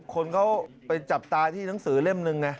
คนเขาไปจับตาที่หนังสือเล่มนึงไง